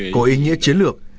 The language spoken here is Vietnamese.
có ý nghĩa chiến lược